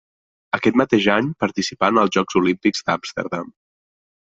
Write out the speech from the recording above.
Aquest mateix any participà en els Jocs Olímpics d'Amsterdam.